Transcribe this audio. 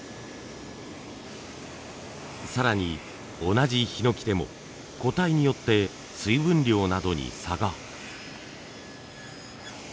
更に同じヒノキでも個体によって水分量などに差が。